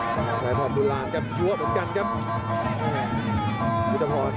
ชายพ่อบุราณครับชัวร์เหมือนกันครับ